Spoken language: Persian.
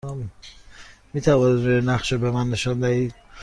می توانید روی نقشه به من نشان دهید؟